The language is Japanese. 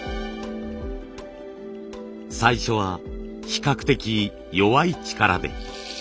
最初は比較的弱い力で。